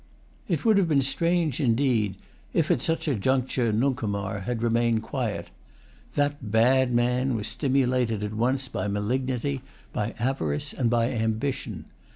It would have been strange indeed if, at such a juncture, Nuncomar had remained quiet. That bad man was stimulated at once by malignity, by avarice, and by ambition.